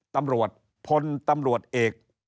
ตำรวจพลตำรวจเอก